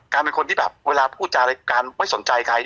การเป็นคนที่แบบเวลาพูดอะไรการไม่สนใจใคร